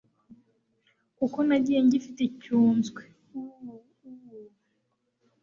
kuko nagiye ngifite icyunzwe = uuu-uuuu-u